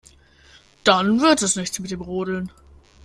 Dann wird es nichts mit dem Rodeln.